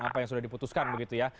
apa yang sudah diputuskan begitu ya